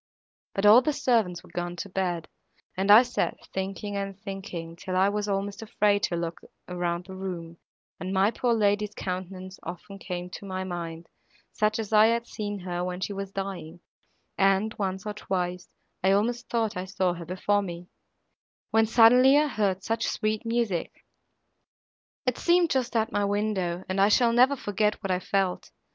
But all the servants were gone to bed, and I sat, thinking and thinking, till I was almost afraid to look round the room, and my poor lady's countenance often came to my mind, such as I had seen her when she was dying, and, once or twice, I almost thought I saw her before me,—when suddenly I heard such sweet music! It seemed just at my window, and I shall never forget what I felt.